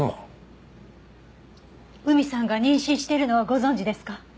海さんが妊娠してるのはご存じですか？